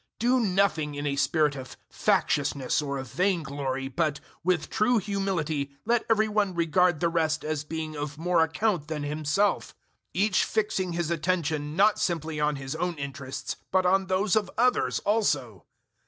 002:003 Do nothing in a spirit of factiousness or of vainglory, but, with true humility, let every one regard the rest as being of more account than himself; 002:004 each fixing his attention, not simply on his own interests, but on those of others also.